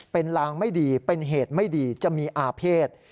เป็นลางไม่ดีเป็นเหตุไม่ดีจะมีอาเภษ